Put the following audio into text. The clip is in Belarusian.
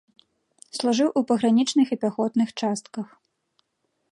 Служыў у пагранічных і пяхотных частках.